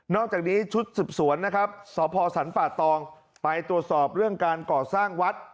อกจากนี้ชุดสืบสวนนะครับสพสรรป่าตองไปตรวจสอบเรื่องการก่อสร้างวัด